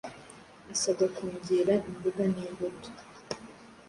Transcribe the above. asabwa kongera imboga n’imbuto